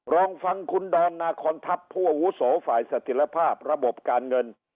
ลองฟังคุณดอนนาคอนทัพผู้อาวุโสฝ่ายสถิตภาพระบบการเงิน